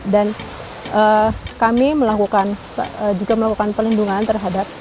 dan kami juga melakukan pelindungan terhadap